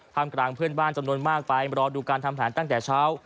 ทำกลางเพื่อนบ้านจำนวนมากไปรอดูการทำแผนตั้งแต่เช้า